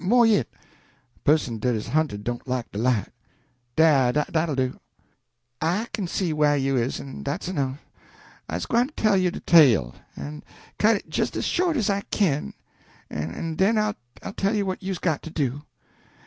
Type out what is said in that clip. More yit. A pusson dat is hunted don't like de light. Dah dat'll do. I kin see whah you is, en dat's enough. I's gwine to tell you de tale, en cut it jes as short as I kin, en den I'll tell you what you's got to do.